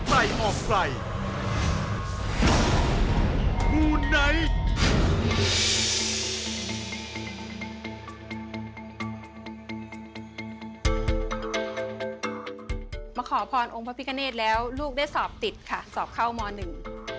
มาขอพรองค์พระพิกาเนธแล้วลูกได้สอบติดค่ะสอบเข้ามหนึ่ง